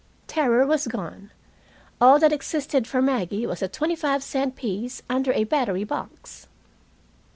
Terror was gone. All that existed for Maggie was a twenty five cent piece under a battery box.